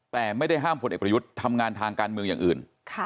แต่ไม่ได้ห้ามพลเอกประยุทธ์ทำงานทางการเมืองอย่างอื่น